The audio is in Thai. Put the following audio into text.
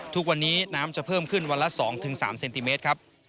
ทุกวันนี้น้ำจะเพิ่มขึ้นวันละ๒๓เซนติเมตรครับ